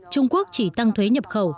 trung quốc chỉ tăng thuế nhập khẩu